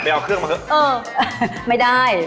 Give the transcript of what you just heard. เออไม่ได้